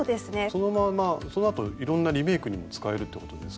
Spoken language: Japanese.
そのままそのあといろんなリメイクにも使えるってことですか？